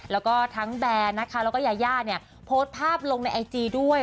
แล้วก็ทั้งแบนนะคะแล้วก็ยาย่าเนี่ยโพสต์ภาพลงในไอจีด้วย